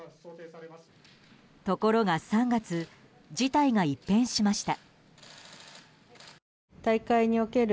ところが３月事態が一変しました。